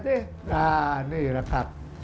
นี่แหละครับ